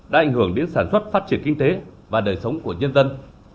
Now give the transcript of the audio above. đã ảnh hưởng đến sản xuất phát triển kinh tế và đời sống của nhân dân